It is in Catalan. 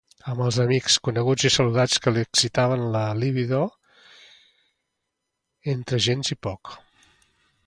Amb amics, coneguts i saludats que li excitaven la libido entre gens i poc.